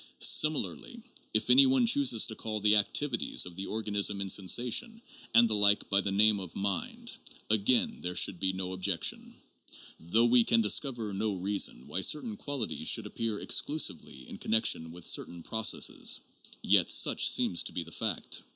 Similarly if any one chooses to call the activities of the organism in sensation and the like by the name of mind, again there should be no objection. Though we can discover no reason why certain qualities should appear exclusively in connection with certain processes, yet such seems to be the fact.